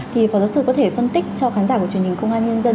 thì phó giáo sư có thể phân tích cho khán giả của chương trình công an nhân dân